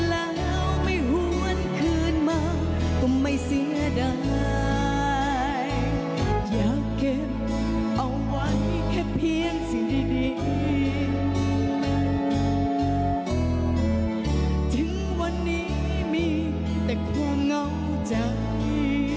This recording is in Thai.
ถึงวันนี้มีแต่ความเงาใจ